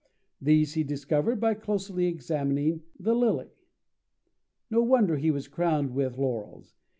These he discovered by closely examining the lily! No wonder he was crowned with laurels!